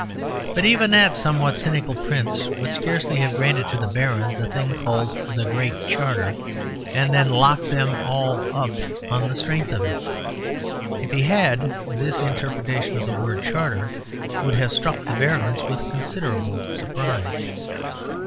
But even that somewhat cynical prince would scarcely have granted to the barons a thing called "the Great Charter" and then locked them all up on the strength of it. If he had, this interpretation of the word "charter" would have struck the barons with considerable surprise.